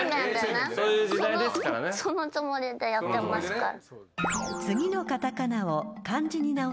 そのつもりでやってますから。